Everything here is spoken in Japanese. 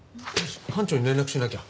班長に連絡しなきゃ。